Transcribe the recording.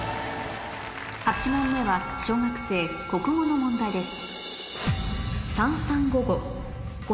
８問目は小学生国語の問題です